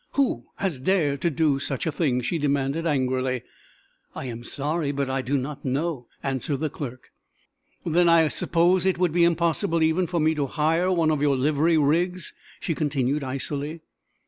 "Who has dared do such a thing?" she demanded, angrily. "I am sorry, but I do not know," answered the clerk. "Then I suppose it would be impossible, even, for me to hire one of your livery rigs?" she continued icily.